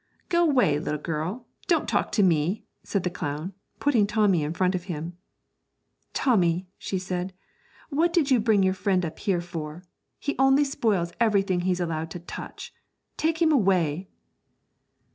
'Go away, little girl; don't talk to me!' said the clown, putting Tommy in front of him. 'Tommy,' she said, 'what did you bring your friend up here for? He only spoils everything he's allowed to touch. Take him away!'